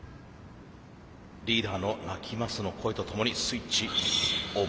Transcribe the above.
リーダーの「鳴きます」の声とともにスイッチオン。